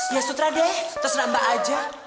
ya sutra deh terus nambah aja